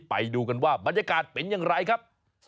ไปดูกันว่าบรรยากาศเป็นอย่างไรครับ